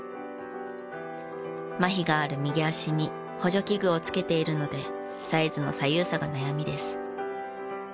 まひがある右足に補助器具を着けているのでサイズの左右差が悩みです。